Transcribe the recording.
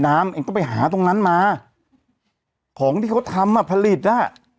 น้ำเองก็ไปหาตรงนั้นมาของที่เขาทำอ่ะผลิตอ่ะ